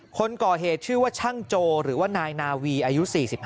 คนก่อเหตุชื่อว่าช่างโจหรือว่านายนาวีอายุ๔๕